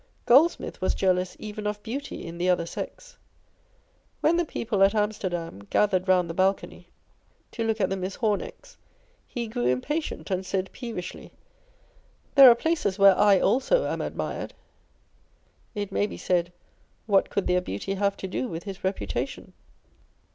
Goldsmith wTas jealous even of beauty in the other sex. When the people at Amsterdam gathered round the balcony to look at the On Envy. 137 Miss Hornecks, he grew impatient, and said peevishly, " There are places where I also am admired," It may be said â€" What could their beauty have to do with his repu tation